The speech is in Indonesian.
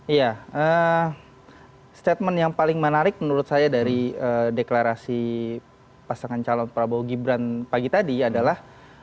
iya statement yang paling menarik menurut saya dari deklarasi pasangan calon prabowo gibran pagi tadi adalah